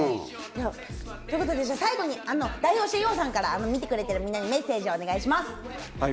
最後に代表して、ＩＯさんから見てくれてるみんなにメッセージをお願いします。